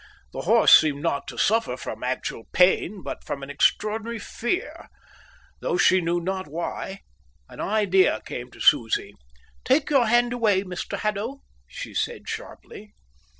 The horse seemed not to suffer from actual pain, but from an extraordinary fear. Though she knew not why, an idea came to Susie. "Take your hand away, Mr Haddo," she said sharply.